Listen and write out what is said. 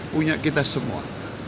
punya kita semua